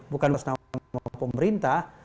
bukan masalah pemerintah